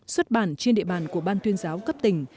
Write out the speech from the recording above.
xuất bản trên địa bàn của ban tuyên giáo cấp tỉnh